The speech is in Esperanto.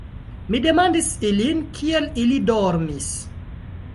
Mi demandis ilin, kiel ili dormis.